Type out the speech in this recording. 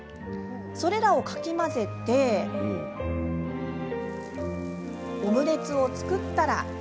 それらをかき混ぜてオムレツを作ったら。